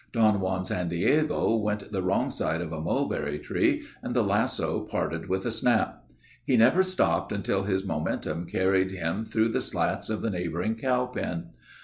Don Juan San Diego went the wrong side of a mulberry tree, and the lasso parted with a snap. He never stopped until his momentum carried him through the slats of the neighboring cow pen.